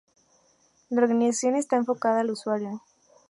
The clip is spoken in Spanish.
La organización está enfocada al usuario.